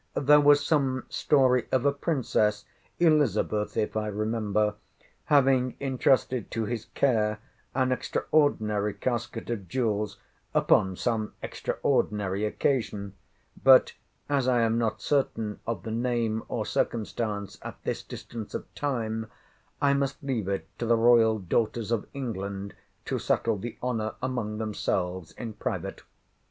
There was some story of a Princess—Elizabeth, if I remember—having intrusted to his care an extraordinary casket of jewels, upon some extraordinary occasion—but as I am not certain of the name or circumstance at this distance of time, I must leave it to the Royal daughters of England to settle the honour among themselves in private.